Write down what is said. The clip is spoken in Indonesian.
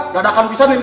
gak ada kan pisah nih